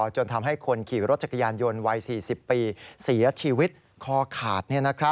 จนทำให้คนขี่รถจักรยานยนต์วัย๔๐ปีเสียชีวิตคอขาด